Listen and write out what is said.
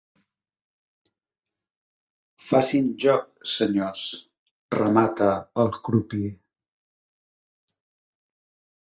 Facin joc, senyors —remata el crupier.